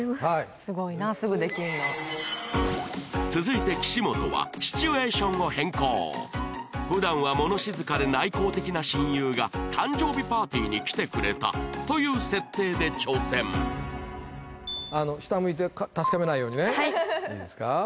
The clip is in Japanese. すごいなすぐできるの続いて岸本はシチュエーションを変更普段は物静かで内向的な親友が誕生日パーティーに来てくれたという設定で挑戦下向いて確かめないようにねいいですか？